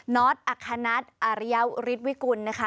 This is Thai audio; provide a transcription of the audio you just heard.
นอร์ดอัคฮานัทอริยาวริดวิกุลนะคะ